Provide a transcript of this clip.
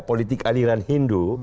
politik aliran hindu